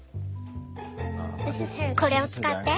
これを使って？